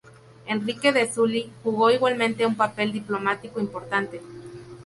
Enrique de Sully jugó igualmente un papel diplomático importante.